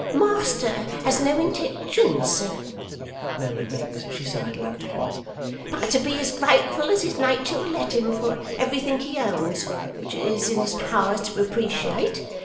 'Master has no intentions, sir,' murmured Miggs as she sidled up to him, 'but to be as grateful as his natur will let him, for everythink he owns which it is in his powers to appreciate.